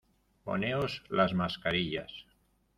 poneos las mascarillas.